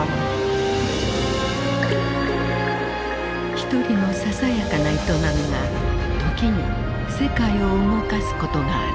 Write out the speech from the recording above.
一人のささやかな営みが時に世界を動かすことがある。